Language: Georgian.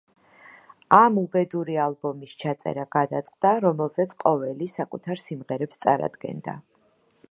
ამ უბედური ალბომის ჩაწერა გადაწყდა, რომელზეც ყოველი საკუთარ სიმღერებს წარადგენდა.